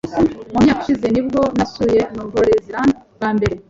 Mu myaka ishize ni bwo nasuye Nouvelle-Zélande bwa mbere.